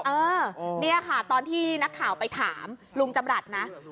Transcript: เออนี่ค่ะตอนที่นักข่าวไปถามลุงจำรัฐนะ